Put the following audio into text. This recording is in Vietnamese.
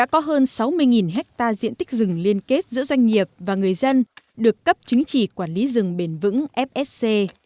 có hơn sáu mươi hectare diện tích rừng liên kết giữa doanh nghiệp và người dân được cấp chứng chỉ quản lý rừng bền vững fsc